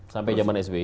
sampai zaman sby